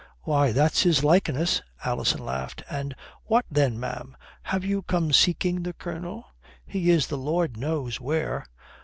"Why, that's his likeness," Alison laughed. "And what then, ma'am? Have you come seeking the Colonel? He is the Lord knows where.